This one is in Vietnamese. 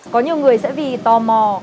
có nhiều người sẽ vì tò mò